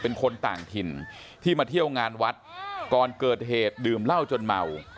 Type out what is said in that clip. เป็นคนต่างถิ่นที่มาเที่ยวงานวัดก่อนเกิดเหตุดื่มเหล้าจนเมา